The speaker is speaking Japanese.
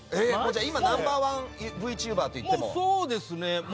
今ナンバー１ＶＴｕｂｅｒといっても？